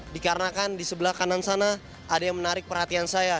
dikarenakan di sebelah kanan sana ada yang menarik perhatian saya